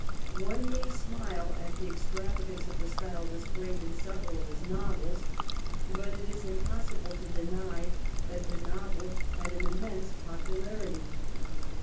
One may smile at the ex travagance of the style displayed in several of his novels, but it is impossible to deny that the novels had an immense popularity.